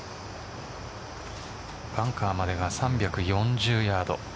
バンカーまでが３４０ヤード。